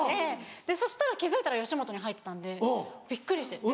そしたら気付いたら吉本に入ってたんでびっくりして。